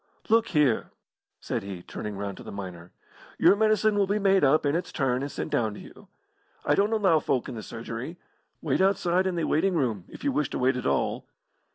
"Look here!" said he, turning round to the miner, "your medicine will be made up in its turn and sent down to you. I don't allow folk in the surgery. Wait outside in the waiting room if you wish to wait at all."